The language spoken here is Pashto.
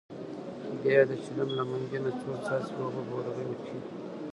بیا یې د چلم له منګي نه څو څاڅکي اوبه په ورغوي کې.